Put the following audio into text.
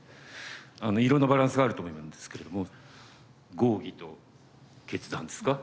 色んなバランスがあると思うんですけれども合議と決断ですか。